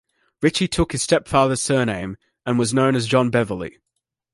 Ritchie took his stepfather's surname and was known as John Beverley.